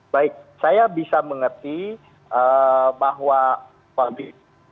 baik saya bisa mengerti bahwa pak sobandi